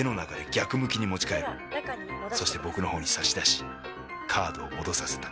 そして僕の方に差し出しカードを戻させた。